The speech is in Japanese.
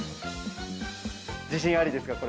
自信ありですか？